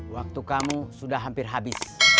waktu kamu sudah hampir habis